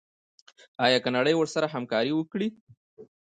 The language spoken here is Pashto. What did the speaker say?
آیا که نړۍ ورسره همکاري وکړي؟